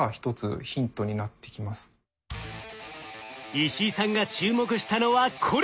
石井さんが注目したのはこれ。